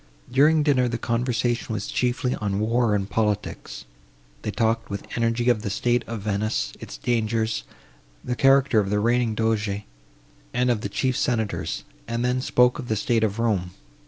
During dinner, the conversation was chiefly on war and politics. They talked with energy of the state of Venice, its dangers, the character of the reigning Doge and of the chief senators; and then spoke of the state of Rome.